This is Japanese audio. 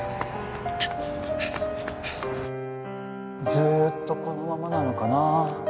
ずーっとこのままなのかな？